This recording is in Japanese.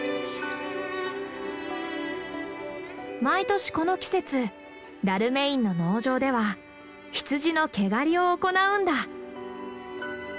毎年この季節ダルメインの農場では羊の毛刈りを行うんだ。